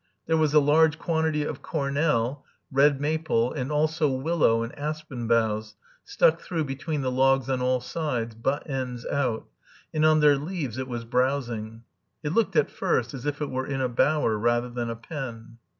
There was a large quantity of cornel (C. stolonifera), red maple, and also willow and aspen boughs, stuck through between the logs on all sides, butt ends out, and on their leaves it was browsing. It looked at first as if it were in a bower rather than a pen.